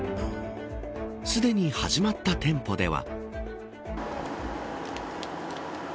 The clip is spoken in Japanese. すでに始まった店舗では。